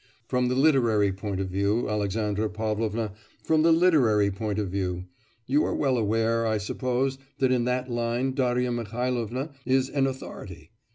'From the literary point of view, Alexandra Pavlovna, from the literary point of view. You are well aware, I suppose, that in that line Darya Mihailovna is an authority.